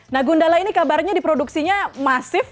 nah gundala ini kabarnya diproduksinya masif